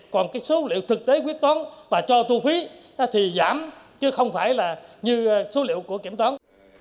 còn cái số liệu thực tế quyết toán và cho thu phí thì giảm chứ không phải là như số liệu của kiểm toán